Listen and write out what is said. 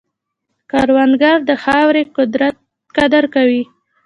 کروندګر د خاورې قدر کوي